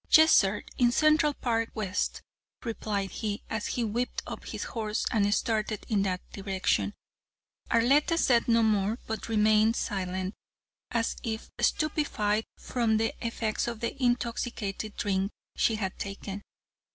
"Yes, sir, in Central Park West," replied he, as he whipped up his horse and started in that direction. Arletta said no more, but remained silent, as if stupefied from the effects of the intoxicating drink she had taken.